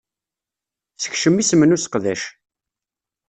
Sekcem isem n useqdac